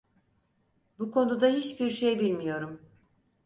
Bu konuda hiçbir şey bilmiyorum.